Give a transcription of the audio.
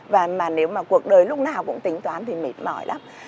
và mà nếu mà cuộc đời lúc nào cũng tính toán thì mệt mỏi lắm